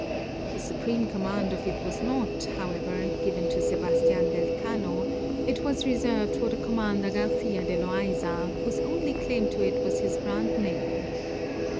The supreme command of it was not, however, given to Sebastian del Cano; it was reserved for the commander Garcia de Loaisa, whose only claim to it was his grand name.